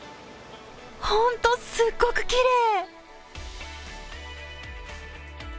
ほんと、すっごくきれい。